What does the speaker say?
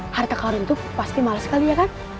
harta kau runtuh pasti mahal sekali ya kan